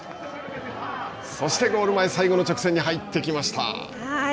そして、ゴール前最後の直線に入ってきました。